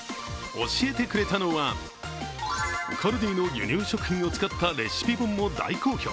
教えてくれたのはカルディの輸入食品を使ったレシピ本も大好評。